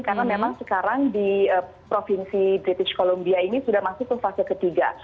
karena memang sekarang di provinsi british columbia ini sudah masih ke fase ketiga